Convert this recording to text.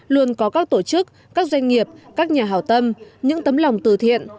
luôn có các tổ chức các doanh nghiệp các nhà hào tâm những tấm lòng từ thiện